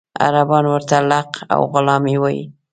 عربان ورته لق او غلامي وایي.